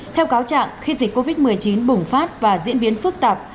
theo cáo trạng khi dịch covid một mươi chín bùng phát và diễn biến phức tạp